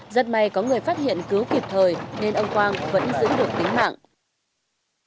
rất may có người phát hiện cứu kịp thời nên ông quang vẫn giữ được tính mạng